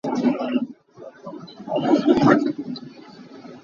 Phirban hni cu a man a fak ngai.